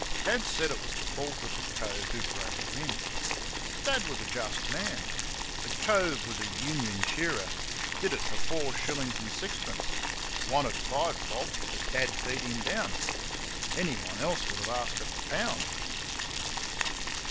Dad said it was the fault of the cove who broke her in. Dad was a just man. The "cove" was a union shearer did it for four shillings and six pence. Wanted five bob, but Dad beat him down. Anybody else would have asked a pound.